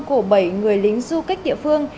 của bảy người lính du kích địa phương